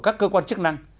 các cơ quan chức năng